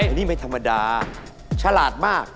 อันนี้ไม่ธรรมดาฉลาดมาก